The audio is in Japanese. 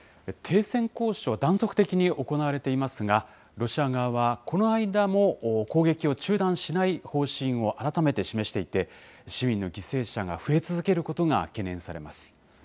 停戦交渉、断続的に行われていますが、ロシア側はこの間も攻撃を中断しない方針を改めて示していて、市民の犠牲者が増え続けることが懸念されます。